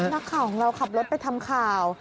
นักข่าวของเราขับรถไปทำข่าว